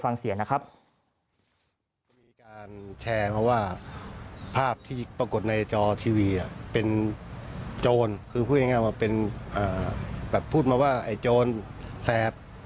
มีการแชร์มาว่าภาพที่ปรากฏในจอทีวีเป็นโจรคือพูดง่ายมาว่าเป็นแบบพูดมาว่าไอ้โจรแสบ